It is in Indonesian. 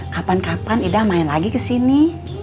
kapan kapan ida main lagi kesini